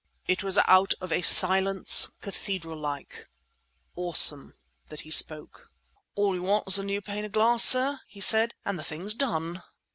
It was out of a silence cathedral like, awesome, that he spoke. "All you want is a new pane of glass, sir," he said—"and the thing's done."